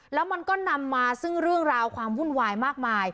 แล้วมันก็นำมาซึ่งเรื่องราวความวุ่นวายมากมาย